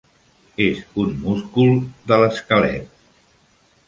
És un múscul de l'esquelet.